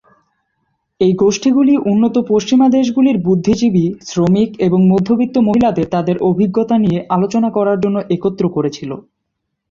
এই গোষ্ঠীগুলি উন্নত পশ্চিমা দেশগুলির বুদ্ধিজীবী, শ্রমিক এবং মধ্যবিত্ত মহিলাদের তাদের অভিজ্ঞতা নিয়ে আলোচনা করার জন্য একত্র করেছিল।